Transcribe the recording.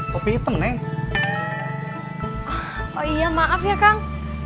kopi kopi temen oh iya maaf ya kang